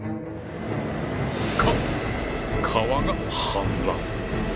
か川が氾濫！